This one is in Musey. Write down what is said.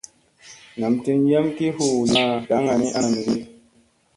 Nam tin yam ki huu li ma daŋŋa ni ana mi ge.